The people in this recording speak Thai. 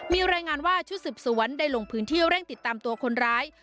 มีรายงานว่าชุดสืบสวนได้ลงพื้นที่เร่งติดตามตัวคนร้าย